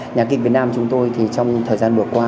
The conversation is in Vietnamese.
nhà kịch việt nam chúng tôi thì trong thời gian vừa qua